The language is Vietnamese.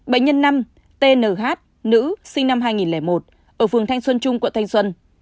bệnh nhân năm t nh nữ sinh năm hai nghìn một ở phường thanh xuân trung quận thanh xuân